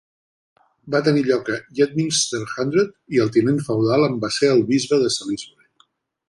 Va tenir lloc a Yetminster Hundred i el tinent feudal en va ser el Bisbe de Salisbury.